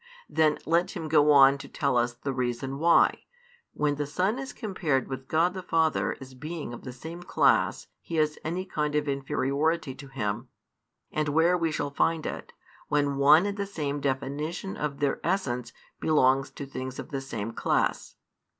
Then let him go on to tell us the reason why, when the Son is compared with God the Father as being of the same class He has any kind of inferiority to Him, and where we shall find it, when one and the same definition of their essence belongs to things of the same class?